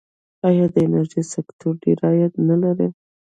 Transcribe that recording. آیا د انرژۍ سکتور ډیر عاید نلري؟